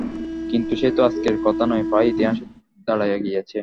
কিন্তু সে তো আজকের কথা নয়, প্রায় ইতিহাসে দাড়াইয়া গিয়াছে।